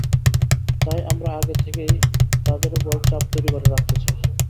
তাই আমরা আগে থেকেই তাদের ওপর চাপ তৈরি করে রাখতে চাই।